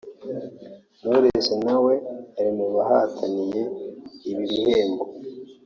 Knowless na we ari mu bahataniye ibi bihembo